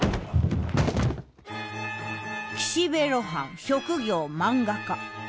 岸辺露伴職業漫画家。